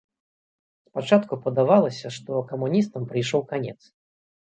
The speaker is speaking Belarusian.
Спачатку падавалася, што камуністам прыйшоў канец.